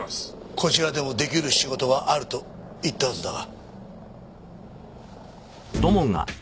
こちらでも出来る仕事はあると言ったはずだが。